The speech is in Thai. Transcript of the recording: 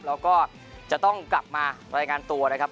แล้วก็จะต้องกลับมารายงานตัวนะครับ